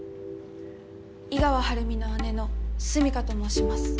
井川晴美の姉の純夏と申します。